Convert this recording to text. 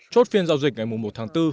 chốt phiên giao dịch ngày một tháng bốn